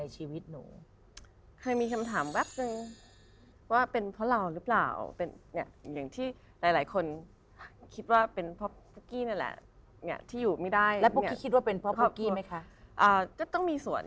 ก็ต้องมีส่วนอยู่แล้ว